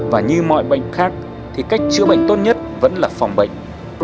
và như mọi bệnh khác thì cách chữa bệnh tốt nhất vẫn là phòng bệnh